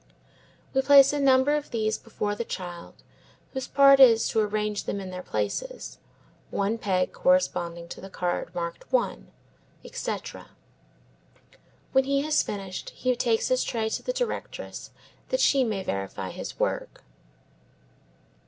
We place a number of these before the child whose part is to arrange them in their places, one peg corresponding to the card marked one, etc. When he has finished he takes his tray to the directress that she may verify his work.